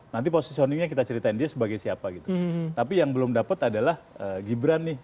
nanti positioningnya kita ceritain dia sebagai siapa gitu tapi yang belum dapat adalah gibran nih